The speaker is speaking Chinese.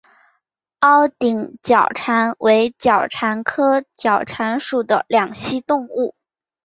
凹顶角蟾为角蟾科角蟾属的两栖动物。